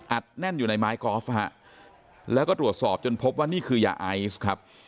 แน่นอยู่ในไม้กอล์ฟฮะแล้วก็ตรวจสอบจนพบว่านี่คือยาไอซ์ครับ